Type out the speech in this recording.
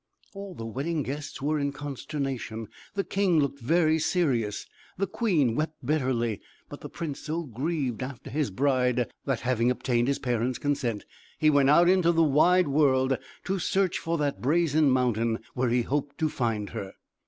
All the wedding guests were in consternation; the king looked very serious; the queen wept bitterly; but the prince so grieved after his bride, that, having obtained his parents' consent, he went out into the wide world to search for that Brazen Mountain, where he hoped to find her.